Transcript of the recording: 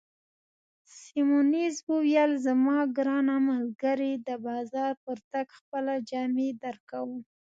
سیمونز وویل: زما ګرانه ملګرې، د بازار پر تګ خپله جامې درکوم.